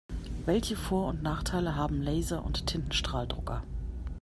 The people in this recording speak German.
Welche Vor- und Nachteile haben Laser- und Tintenstrahldrucker?